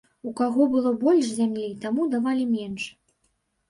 У каго было больш зямлі, таму давалі менш.